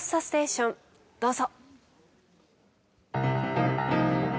どうぞ。